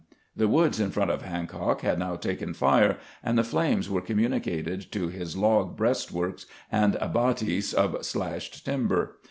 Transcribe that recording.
The woods in front of Hancock had now taken fire, and the flames were communicated to his log breastworks and abatis of slashed timber.